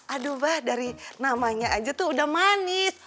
aduh bah dari namanya aja tuh udah manis